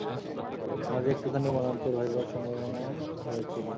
মাঝে একটুখানি মনান্তর হইবারও সম্ভাবনা হইয়াছিল।